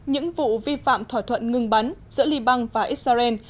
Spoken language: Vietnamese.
những vụ vi phạm thỏa thuận ngừng bắn giữa liban và israel